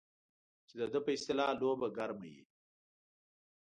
چې د ده په اصطلاح لوبه ګرمه وي.